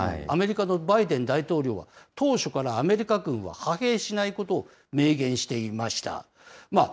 アメリカのバイデン大統領は、当初からアメリカ軍は派兵しないことを明言していました。